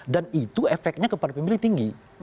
dan itu efeknya kepada pemilik tinggi